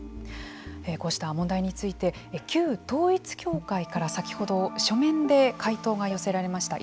こうした問題について旧統一教会から、先ほど書面で回答が寄せられました。